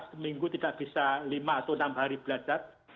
seminggu tidak bisa lima atau enam hari belajar